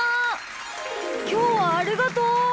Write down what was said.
きょうはありがとう！